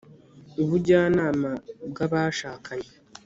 ubujyanama bwabashakanye